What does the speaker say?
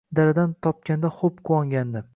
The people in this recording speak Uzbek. Daradan topganda xo’b quvongandi.